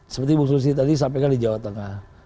seperti bu susi tadi sampaikan di jawa tengah